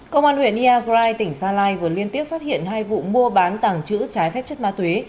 công an huyện iagrai tỉnh gia lai vừa liên tiếp phát hiện hai vụ mua bán tàng trữ trái phép chất ma túy